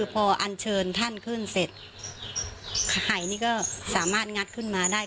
พออันเชิญท่านขึ้นเสร็จไข่นี่ก็สามารถงัดขึ้นมาได้